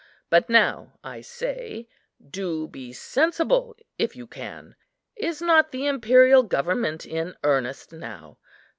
But now, I say, do be sensible, if you can. Is not the imperial government in earnest now?